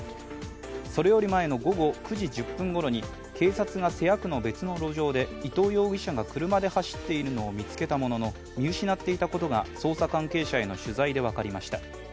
それより前の午後９時１０分ごろに警察が瀬谷区の別の路上で伊藤容疑者が車で走っているのを見つけたものの見失っていたことが捜査関係者への取材で分かりました。